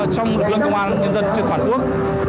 trong lực lượng công an nhân dân trên toàn quốc